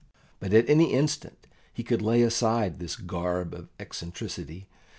But at any instant he could lay aside this garb of eccentricity.